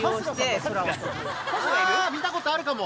あ見たことあるかも。